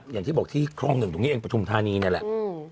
อย่างที่บอกที่คลองหนึ่งตรงนี้เองปฐุมธานีนี่แหละ